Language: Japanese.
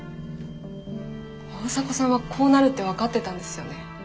大迫さんはこうなるって分かってたんですよね。